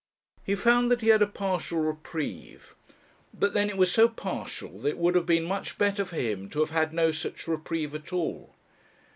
He found that he had a partial reprieve; but then it was so partial that it would have been much better for him to have had no such reprieve at all.